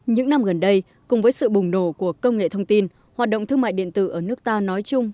những năm gần đây cùng với sự bùng nổ của công nghệ thông tin hoạt động thương mại điện tử ở nước ta nói chung